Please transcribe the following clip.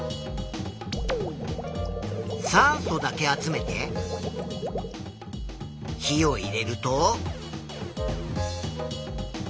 酸素だけ集めて火を入れると。